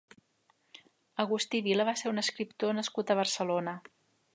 Agustí Vila va ser un escriptor nascut a Barcelona.